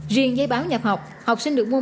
riêng giấy báo nhập học học sinh được mua